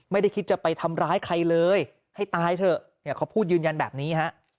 ไม่ได้คิดจะไปทำร้ายใครเลยให้ตายเถอะเนี่ยเขาพูดยืนยันแบบนี้ฮะ